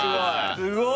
すごい！